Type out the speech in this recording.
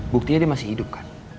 buktinya dia masih hidup kan